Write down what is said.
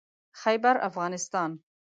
خيبرافغانستان